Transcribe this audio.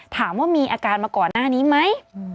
ถามว่ามีอาการมาก่อนหน้านี้ไหม